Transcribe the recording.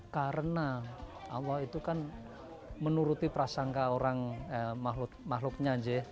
karena allah itu kan menuruti prasangka orang makhluknya